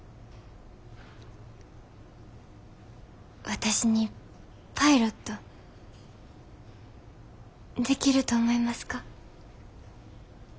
私にパイロットできると思いますか？